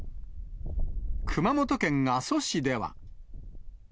熊本県阿蘇市では。